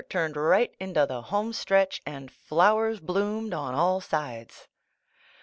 turned right into the home stretch and flow ers bloomed on all sides.